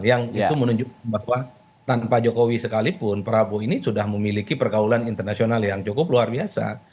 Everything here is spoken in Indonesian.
yang itu menunjukkan bahwa tanpa jokowi sekalipun prabowo ini sudah memiliki pergaulan internasional yang cukup luar biasa